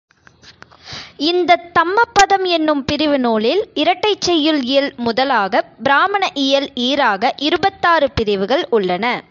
இந்தத் தம்மபதம் என்னும் பிரிவுநூலில், இரட்டைச் செய்யுள் இயல் முதலாகப் பிராமண இயல் ஈறாக இருபத்தாறு பிரிவுகள் உள்ளன.